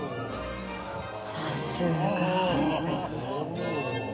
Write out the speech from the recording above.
さすが。